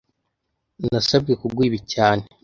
Nasabwe kuguha ibi cyane